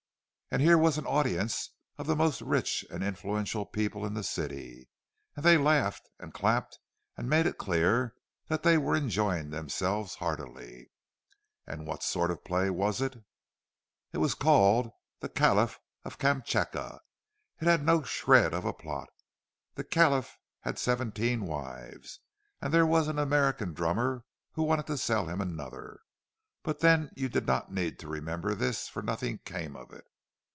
And here was an audience of the most rich and influential people in the city; and they laughed and clapped, and made it clear that they were enjoying themselves heartily. And what sort of a play was it? It was called "The Kaliph of Kamskatka." It had no shred of a plot; the Kaliph had seventeen wives, and there was an American drummer who wanted to sell him another—but then you did not need to remember this, for nothing came of it.